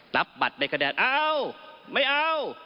รับบัตรในคะแนนอ้าวไม่เอา